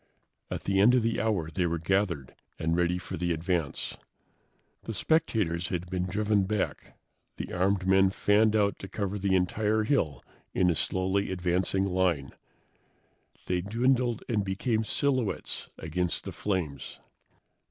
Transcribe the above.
At the end of the hour they were gathered and ready for the advance. The spectators had been driven back. The armed men fanned out to cover the entire hill in a slowly advancing line. They dwindled and became silhouettes against the flames.